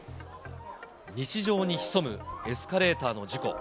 日常に潜むエスカレーターの事故。